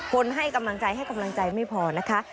ให้กำลังใจให้กำลังใจไม่พอนะคะ